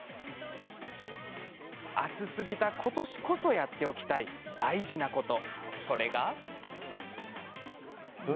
暑すぎた今年こそやっておきたい大事なこと。